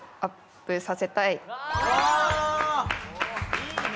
いいね。